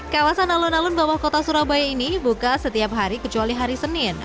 kawasan alun alun bawah kota surabaya ini buka setiap hari kecuali hari senin